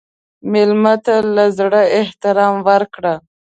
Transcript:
مېلمه ته له زړه احترام ورکړه.